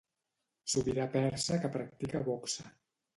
Sobirà persa que practica boxa.